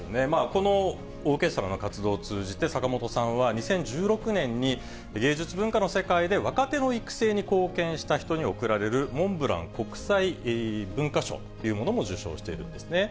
このオーケストラの活動を通じて、坂本さんは２０１６年に、芸術文化の世界で若手の育成に貢献した人に贈られる、モンブラン国際文化賞というものも受賞しているんですね。